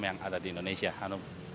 yang ada di indonesia hanum